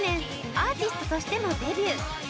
アーティストとしてもデビュー。